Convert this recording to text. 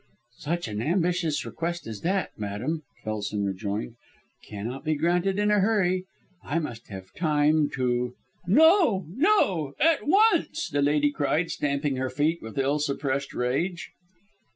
"Such an ambitious request as that, madam," Kelson rejoined, "cannot be granted in a hurry. I must have time to " "No! No! At once!" the lady cried, stamping her feet with ill suppressed rage.